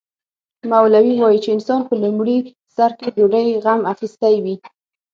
مولوي وايي چې انسان په لومړي سر کې ډوډۍ غم اخیستی وي.